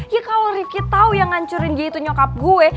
ya kalo rifki tau yang ngancurin dia itu nyokap gue